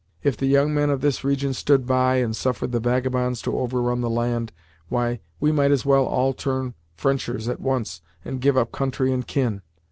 If the young men of this region stood by, and suffered the vagabonds to overrun the land, why, we might as well all turn Frenchers at once, and give up country and kin.